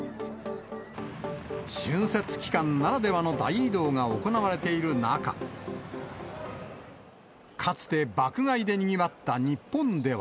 春節期間ならではの大移動が行われている中、かつて爆買いでにぎわった日本では。